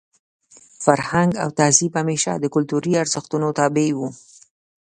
فرهنګ او تهذیب همېشه د کلتوري ارزښتونو تابع وو.